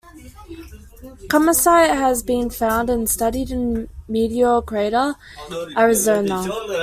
Kamacite has been found and studied in Meteor Crater, Arizona.